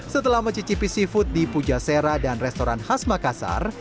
setelah mencicipi seafood di pujasera dan restoran khas makassar